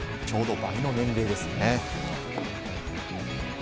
ちょうど倍の年齢ですね。